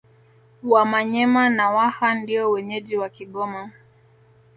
Wamanyema na Waha ndio wenyeji wa Kigoma